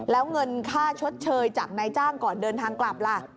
แล้วเงินค่าชดเชยจากนายจ้างก่อนเดินทางกลับล่ะ